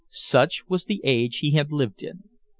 Such was the age he had lived in.